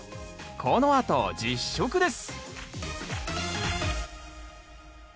このあと実食です